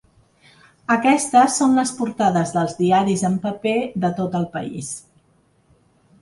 Aquestes són les portades dels diaris en paper de tot el país.